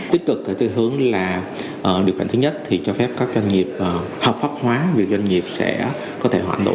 tích cực từ hướng là điều kiện thứ nhất thì cho phép các doanh nghiệp hợp pháp hóa